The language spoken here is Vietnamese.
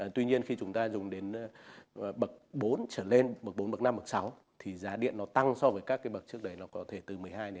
tuy nhiên khi chúng ta dùng đến bậc bốn trở lên bậc bốn bậc năm bậc sáu thì giá điện nó tăng so với các bậc trước đấy có thể từ một mươi hai hai mươi năm